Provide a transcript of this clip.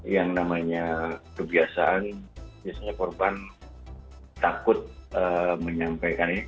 yang namanya kebiasaan biasanya korban takut menyampaikan ini